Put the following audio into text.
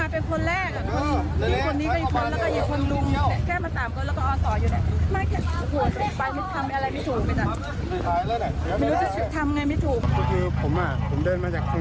เป็นคนหนี้ก็อยู่ค่อยแล้วก็มีคนลุงแก้ปกมาตามก็ตอดอยู่